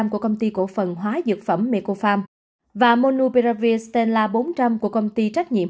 của công ty cổ phận hóa dược phẩm mecofarm và monopiravir stenla bốn trăm linh của công ty trách nhiệm